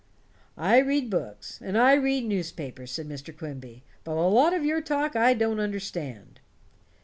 "I read books, and I read newspapers," said Mr. Quimby, "but a lot of your talk I don't understand."